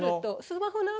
スマホの。